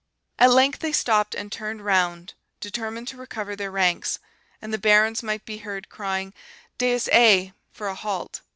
At length they stopped and turned round, determined to recover their ranks; and the barons might be heard crying 'Dex aie!' for a halt.